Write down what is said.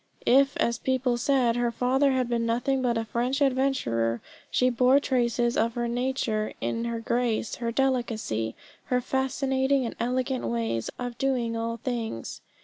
If as people said, her father had been nothing but a French adventurer, she bore traces of her nature in her grace, her delicacy, her fascinating and elegant ways of doing all things.